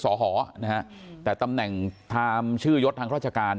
สหแต่ของตำแหน่งทางรัชการ